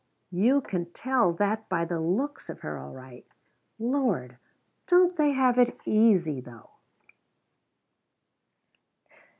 You can tell that by the looks of her, all right. Lord, don't they have it easy though?"